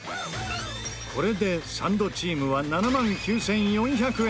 これでサンドチームは７万９４００円。